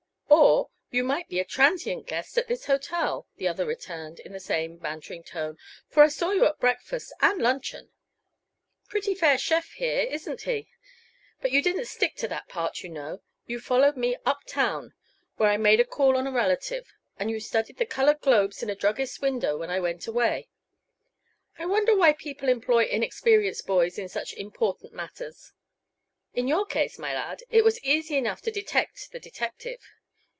"Or you might be a transient guest at this hotel," the other returned, in the same bantering tone, "for I saw you at breakfast and luncheon. Pretty fair chef here, isn't he? But you didn't stick to that part, you know. You followed me up town, where I made a call on a relative, and you studied the colored globes in a druggist's window when I went away. I wonder why people employ inexperienced boys in such important matters. In your case, my lad, it was easy enough to detect the detective.